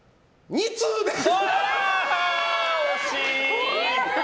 ２通です！